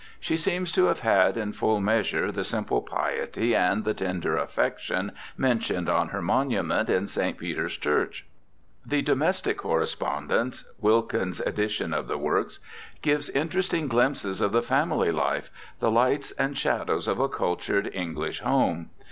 She seems to have had in full measure the simple piety and the tender affection mentioned on her monument in St. Peter's Church. The domestic correspondence (Wilkin's edition of the Works) gives interesting glimpses of the family life, the lights and shadows of a cultured English home.